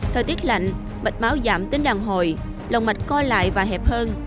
thời tiết lạnh mạch máu giảm tính đàn hồi lồng mạch co lại và hẹp hơn